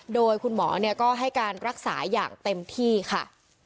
โดยคุณหมอก็ให้การรักษาอย่างเต็มที่ค่ะ